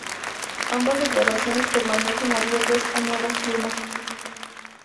Ambas declaraciones permanecen abiertas a nuevas firmas.